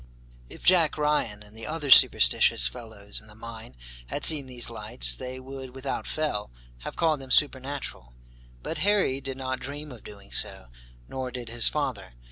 If Jack Ryan and the other superstitious fellows in the mine had seen these lights, they would, without fail, have called them supernatural, but Harry did not dream of doing so, nor did his father.